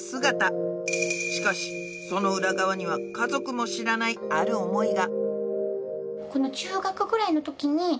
しかしその裏側には家族も知らないある思いが